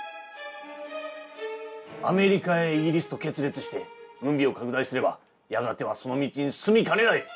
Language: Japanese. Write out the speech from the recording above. アメリカイギリスと決裂して軍備を拡大すればやがてはその道に進みかねない！